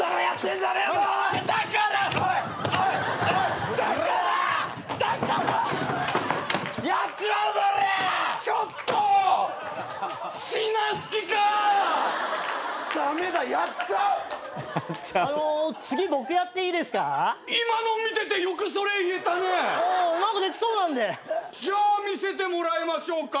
じゃあ見せてもらいましょうか。